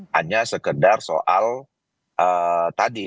hanya sekedar soal tadi